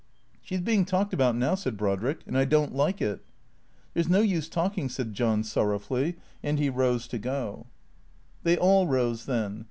'^" She 's being talked about now," said Brodrick, " and I don't like it." " There 's no use talking," said John sorrowfully, and he rose to go. THE CREATORS 453 They all rose then.